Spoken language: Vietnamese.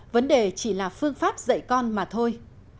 vấn đề chỉ là phương pháp dạy con mà thôi